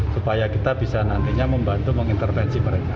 supaya kita bisa nantinya membantu mengintervensi mereka